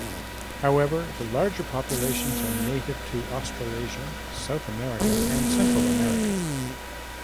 However, the larger populations are native to Australasia, South America, and Central America.